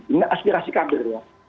ini aspirasi kabir ya